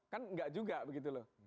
kan enggak juga begitu loh